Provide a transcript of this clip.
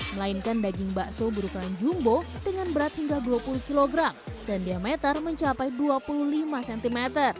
melainkan daging bakso berukuran jumbo dengan berat hingga dua puluh kg dan diameter mencapai dua puluh lima cm